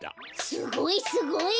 すごいすごい。